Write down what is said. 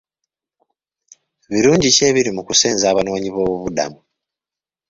Birungi ki ebiri mu kusenza abanoonyiboobubudamu?